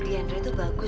kenapa aku tinggalkan bayi